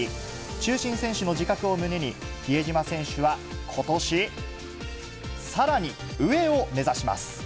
中心選手の自覚を胸に、比江島選手はことし、さらに上を目指します。